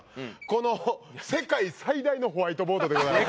この世界最大のホワイトボードでございます。